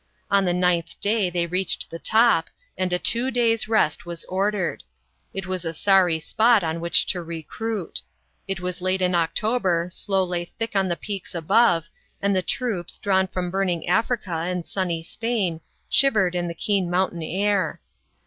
On the ninth day, they reached the top, and a two days' rest was ordered. It was a sorry spot on which to recruit. It was late in October, snow lay thick on the peaks above, and the troops, drawn from burning Africa and sunny Spain, shiv ered in the keen mountain air.